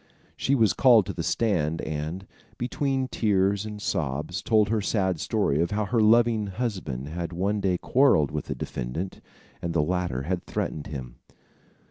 She was called to the stand and, between tears and sobs, told her sad story of how her loving husband had one day quarrelled with the defendant, and the latter had threatened him.